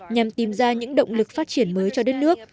nhằm tìm ra những động lực phát triển mới cho đất nước